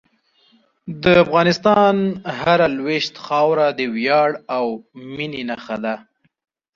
د افغانستان هره لویشت خاوره د ویاړ او مینې نښه ده.